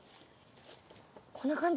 こんな感じ？